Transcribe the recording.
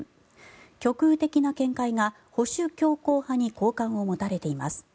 極右的な見解が、保守強硬派に好感を持たれています。